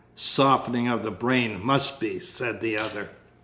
"Softening of the brain must be," said the other.